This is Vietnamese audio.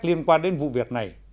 liên quan đến vụ việc này